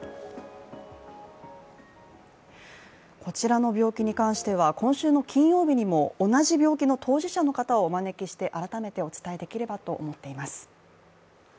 こちらの病気に関しては、今週の金曜日にも同じ病気の当事者の方をお招きして改めてお伝えできればと思っています。